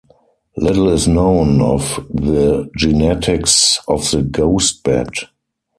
Little is known of the genetics of the ghost bat.